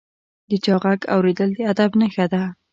د چا ږغ اورېدل د ادب نښه ده.